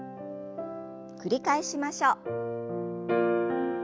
繰り返しましょう。